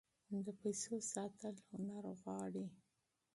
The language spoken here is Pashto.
د پیسو ساتل هنر غواړي.